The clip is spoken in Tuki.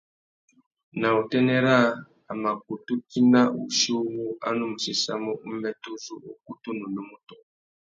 Nà utênê râā, a mà kutu tina wuchi uwú a nu mù séssamú umbêtê uzu ukutu nà unúmútú.